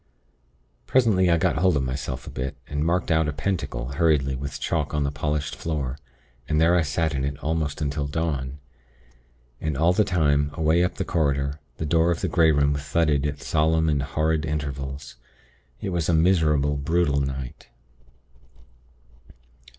"Presently I got hold of myself a bit, and marked out a pentacle hurriedly with chalk on the polished floor; and there I sat in it almost until dawn. And all the time, away up the corridor, the door of the Grey Room thudded at solemn and horrid intervals. It was a miserable, brutal night.